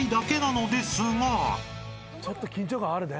ちょっと緊張感あるね。